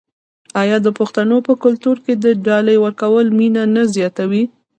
آیا د پښتنو په کلتور کې د ډالۍ ورکول مینه نه زیاتوي؟